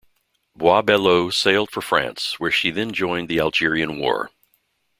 "Bois Belleau" sailed for France, where she then joined the Algerian War.